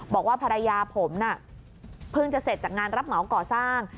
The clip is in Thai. บอกว่าภรรยาผมน่ะเพิ่งจะเสร็จจากงานรับเหมาก่อสร้าง